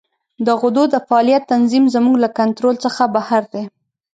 د غدو د فعالیت تنظیم زموږ له کنترول څخه بهر دی.